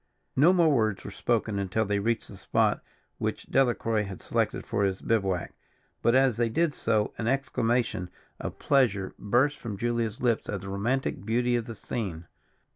No more words were spoken until they reached the spot which Delacroix had selected for his bivouac; but, as they did so, an exclamation of pleasure burst from Julia's lips at the romantic beauty of the scene.